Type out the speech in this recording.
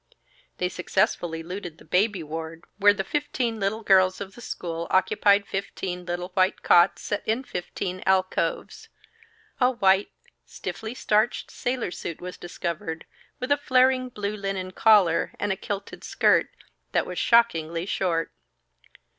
They successfully looted the "Baby Ward" where the fifteen little girls of the school occupied fifteen little white cots set in fifteen alcoves. A white, stiffly starched sailor suit was discovered, with a flaring blue linen collar, and a kilted skirt, that was shockingly short.